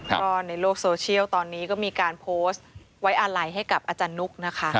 ก็ในโลกโซเชียลตอนนี้ก็มีการโพสต์ไว้อาลัยให้กับอาจารย์นุกนะคะ